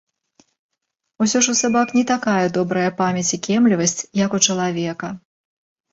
Усё ж у сабак не такая добрая памяць і кемлівасць, як у чалавека.